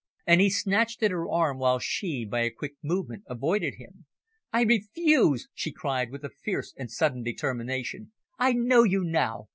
And he snatched at her arm while she, by a quick movement, avoided him. "I refuse," she cried with a fierce and sudden determination. "I know you now!